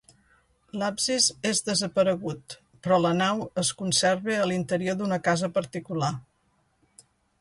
L'absis és desaparegut, però la nau es conserva a l'interior d'una casa particular.